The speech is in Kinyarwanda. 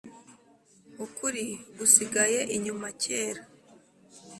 ukuri gusigaye inyuma kera